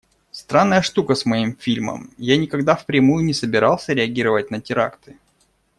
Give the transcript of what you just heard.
Странная штука с моим фильмом – я никогда впрямую не собирался реагировать на теракты.